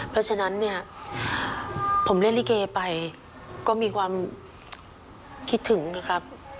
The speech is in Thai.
เพราะฉะนั้นเนี่ยผมเล่นลิเกไปก็มีความคิดถึงนะครับ